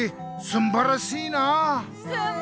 すんばらしい！